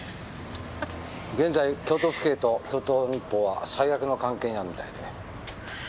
現在京都府警と京都日報は最悪の関係にあるみたいで。